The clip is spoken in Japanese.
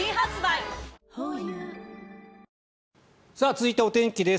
続いてはお天気です。